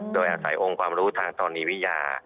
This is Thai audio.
โดยอาศัยองค์ความรู้ทางธรณีวิทยา